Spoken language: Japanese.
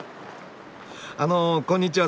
あのこんにちは。